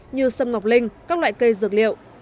như xâm ngọc linh các loại cây dược liệu